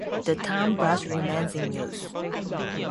The term "brush" remains in use.